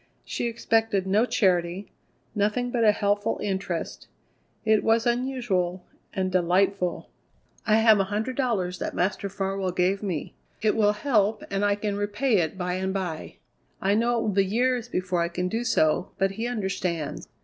She expected no charity, nothing but a helpful interest. It was unusual and delightful. "I have a hundred dollars that Master Farwell gave me. It will help, and I can repay it by and by. I know it will be years before I can do so, but he understands.